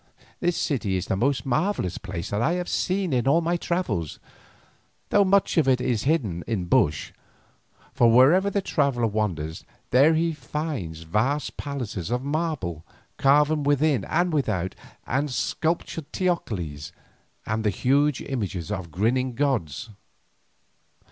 This city is the most marvellous place that I have seen in all my travels, though much of it is hidden in bush, for wherever the traveller wanders there he finds vast palaces of marble, carven within and without, and sculptured teocallis and the huge images of grinning gods.